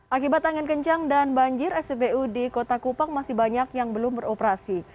akibat angin kencang dan banjir spbu di kota kupang masih banyak yang belum beroperasi